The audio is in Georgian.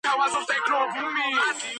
ქვეყანას სათავეში ჩაუდგა იან კჰამა.